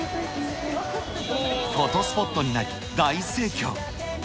フォトスポットになり、大盛況。